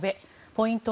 ポイント